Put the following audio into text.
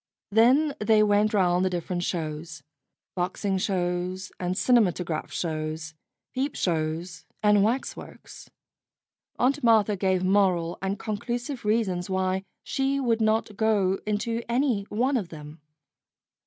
Then they went round the different shows boxing shows and cinematograph shows, peep shows, and waxworks. Aunt Martha gave moral and conclusive reasons why she would not go into any one of them.